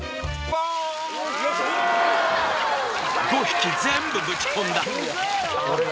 ５匹全部ぶち込んだ！